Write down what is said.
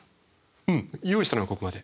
うん。用意したのはここまで。